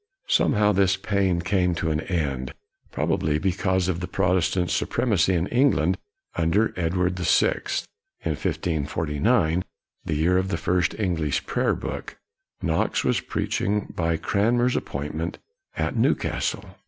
11 Somehow this pain came to an end; probably because of the Protestant su premacy in England under Edward the Sixth. In 1549, the year of the first English Prayer book, Knox was preaching, by Cranmer's appointment, at Newcastle.